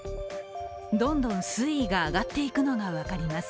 どんどん水位が上がっていくのが分かります。